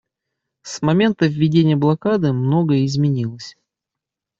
С момента введения блокады многое изменилось.